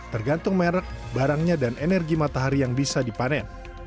tergantung merek barangnya dan energi matahari yang bisa dipanen